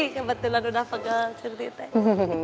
kebetulan udah pegang suri teh